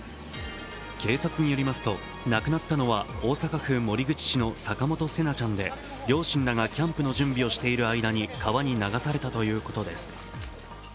警察によりますと、亡くなったのは大阪府守口市の坂本聖凪ちゃんで両親らがキャンプの準備をしている間に川に流されたということです。